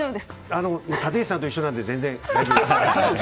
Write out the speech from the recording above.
立石さんと一緒なんで全然大丈夫です。